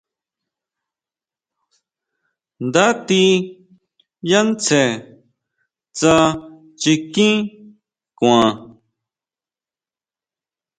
Nda tí yá tsjen tsá chikín kuan.